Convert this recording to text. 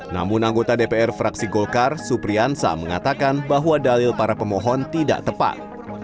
namun anggota dpr fraksi golkar supriyansa mengatakan bahwa dalil para pemohon tidak tepat